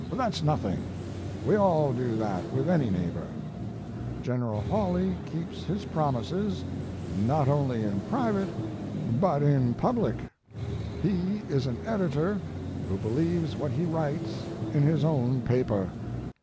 That's nothing; we all do that with any neighbor. General Hawley keeps his promises, not only in private, but in public. He is an editor who believes what he writes in his own paper.